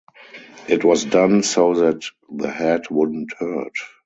It was done so that the head wouldn't hurt.